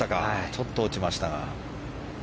ちょっと落ちました。